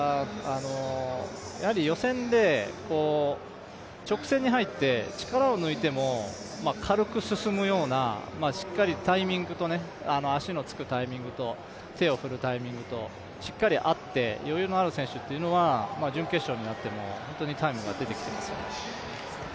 予選で直線に入って力を抜いても軽く進むようなしっかり足のつくタイミングと手を振るタイミングとしっかり合って余裕のある選手というのは準決勝になっても本当にタイムが出てきています。